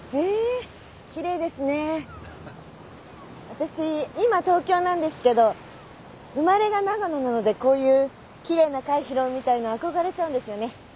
私今東京なんですけど生まれが長野なのでこういう奇麗な貝拾うみたいの憧れちゃうんですよね。